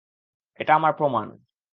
এটা আমার প্রমান!